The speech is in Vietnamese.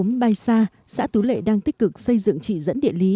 cốm bay xa xã tú lệ đang tích cực xây dựng trị dẫn địa lý